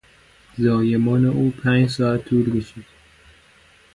زایمان او پنج ساعت طول کشید.